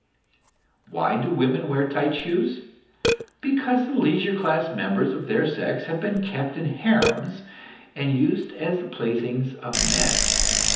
Why do women wear tight shoes? Because the leisure class members of their sex have been kept in harems and used as the playthings of men.